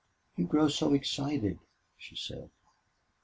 "You grow so excited," she said.